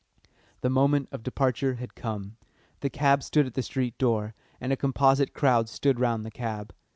The moment of departure had come. The cab stood at the street door, and a composite crowd stood round the cab.